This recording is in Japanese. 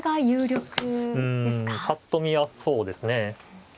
ぱっと見はそうですね。